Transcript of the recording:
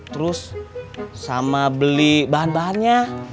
terus sama beli bahan bahannya